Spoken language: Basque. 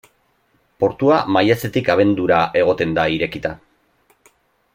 Portua maiatzetik abendura egoten da irekita.